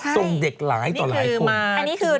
ส่งเด็กหลายต่อหลายคน